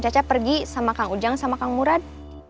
caca pergi sama kang ujang sama kang murad